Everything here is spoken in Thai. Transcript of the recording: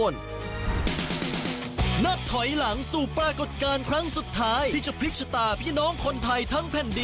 น้องชาวไทยอย่าพลาด